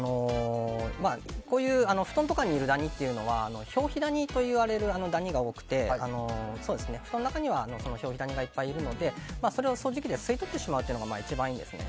布団とかにいるダニというのは表皮ダニといわれるダニが多くて布団の中には表皮ダニがいっぱいいるのでそれを掃除機で吸い取ってしまうのが一番いいんですね。